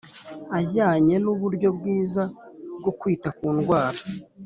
Ajyanye n uburyo bwiza bwo kwita ku ndwara